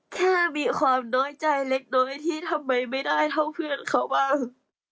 แค่มีความน้อยใจเล็กโดยที่ทำไมไม่ได้เท่าเพื่อนเขาบ้าง